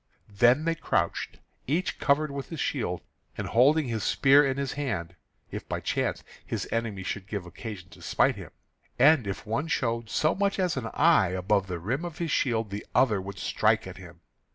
Then they crouched, each covered with his shield, and holding his spear in his hand, if by chance his enemy should give occasion to smite him; and if one showed so much as an eye above the rim of his shield the other would strike at him.